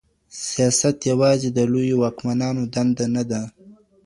سياست يوازي د لويو واکمنانو دنده نه ده.